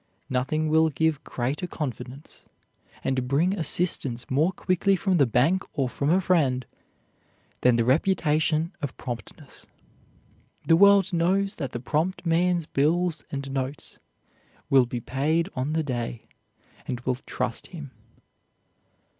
Nothing will give greater confidence, and bring assistance more quickly from the bank or from a friend, than the reputation of promptness. The world knows that the prompt man's bills and notes will be paid on the day, and will trust him.